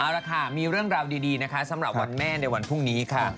เอาละค่ะมีเรื่องราวดีนะคะสำหรับวันแม่ในวันพรุ่งนี้ค่ะ